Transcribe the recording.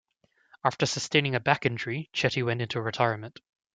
After sustaining a back injury, Chetti went into retirement.